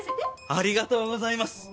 ありがとうございます！